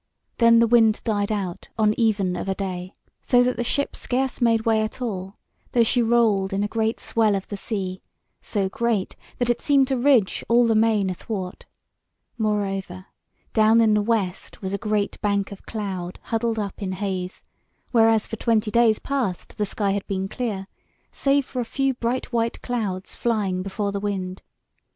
Then the wind died out on even of a day, so that the ship scarce made way at all, though she rolled in a great swell of the sea, so great, that it seemed to ridge all the main athwart. Moreover down in the west was a great bank of cloud huddled up in haze, whereas for twenty days past the sky had been clear, save for a few bright white clouds flying before the wind.